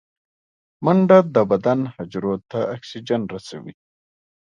منډه د بدن حجرو ته اکسیجن رسوي